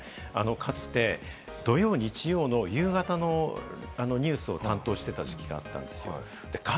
私もかつて土曜・日曜の夕方のニュースを担当していた時期があったんですよ。